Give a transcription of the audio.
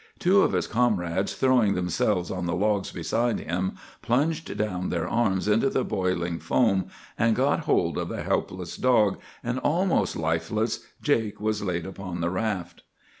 Two of his comrades, throwing themselves on the logs beside him, plunged down their arms into the boiling foam and got hold of the helpless dog, and, almost lifeless, Jake was laid upon the raft.